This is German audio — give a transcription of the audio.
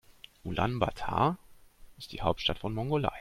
Ulaanbaatar ist die Hauptstadt von Mongolei.